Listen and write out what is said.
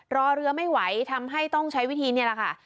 รอเรือไม่ไหวทำให้ต้องใช้วิธีนี่แหละค่ะ